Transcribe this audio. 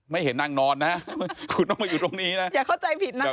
เห็นนางนอนนะคุณต้องมาอยู่ตรงนี้นะอย่าเข้าใจผิดนะ